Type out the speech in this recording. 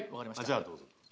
じゃあどうぞ。